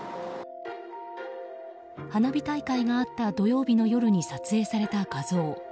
花火大会があった土曜日の夜に撮影された画像。